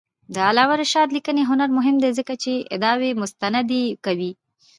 د علامه رشاد لیکنی هنر مهم دی ځکه چې ادعاوې مستندې کوي.